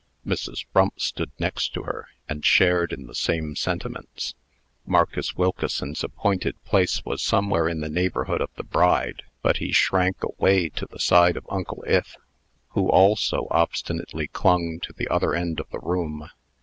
Mrs. Frump stood next to her, and shared in the same sentiments. Marcus Wilkeson's appointed place was somewhere in the neighborhood of the bride; but he shrank away to the side of Uncle Ith, who also obstinately clung to the other end of the room.